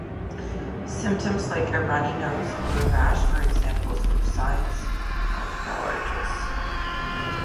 Symptoms like a runny nose or a rash are examples of signs of allergies.